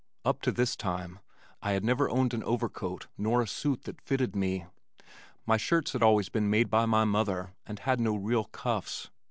Up to this time I had never owned an overcoat nor a suit that fitted me. My shirts had always been made by my mother and had no real cuffs.